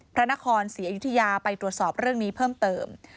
พระนครศรีอยุธยาไปตรวจสอบเรื่องนี้เพิ่มเติม